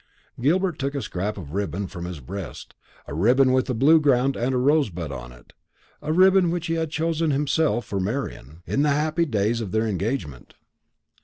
Gilbert took a scrap of ribbon from his breast, a ribbon with a blue ground and a rosebud on it, a ribbon which he had chosen himself for Marian, in the brief happy days of their engagement.